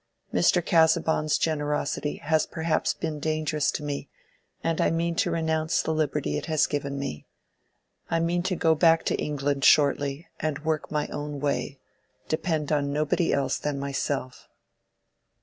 Mr. Casaubon's generosity has perhaps been dangerous to me, and I mean to renounce the liberty it has given me. I mean to go back to England shortly and work my own way—depend on nobody else than myself."